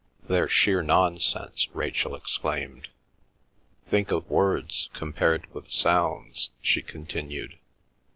"They're sheer nonsense!" Rachel exclaimed. "Think of words compared with sounds!" she continued.